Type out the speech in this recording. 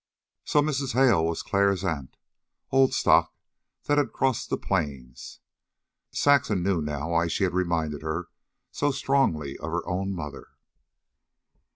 So Mrs. Hale was Clara's aunt old stock that had crossed the Plains. Saxon knew now why she had reminded her so strongly of her own mother.